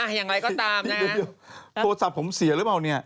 อย่างไรก็ตามโทรศัพท์ผมเสียหรือเปล่าเนี่ย